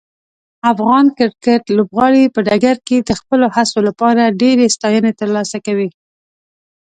افغان کرکټ لوبغاړي په ډګر کې د خپلو هڅو لپاره ډیرې ستاینې ترلاسه کوي.